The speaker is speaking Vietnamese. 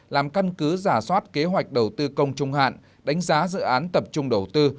làm căn cứ giả soát kế hoạch đầu tư công trung hạn đánh giá dự án tập trung đầu tư